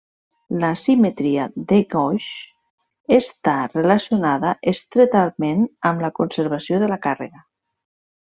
La simetria de gauge està relacionada estretament amb la conservació de la càrrega.